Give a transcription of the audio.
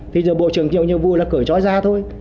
thì giờ bộ trường chịu nhiệm vụ là cởi trói ra thôi